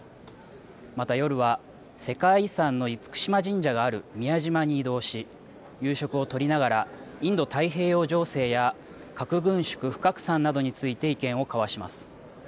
また夜は世界遺産の厳島神社がある宮島に移動し夕食をとりながらインド太平洋情勢や核軍縮・不拡散などについて意見を交わします。